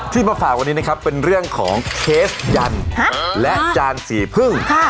มาฝากวันนี้นะครับเป็นเรื่องของเคสยันและจานสีพึ่ง